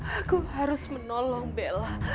aku harus menolong bella